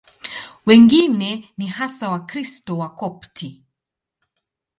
Wengine ni hasa Wakristo Wakopti.